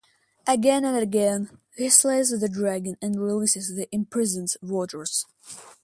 Again and again he slays the dragon and releases the imprisoned waters.